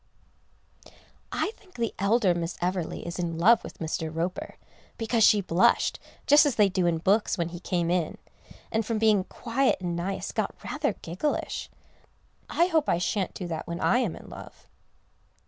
I think the elder Miss Everleigh is in love with Mr. Roper, because she blushed, just as they do in books, when he came in, and from being quiet and nice, got rather gigglish. I hope I shan't do that when I am in love.